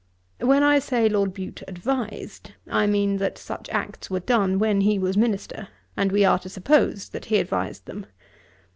When I say Lord Bute advised, I mean, that such acts were done when he was minister, and we are to suppose that he advised them.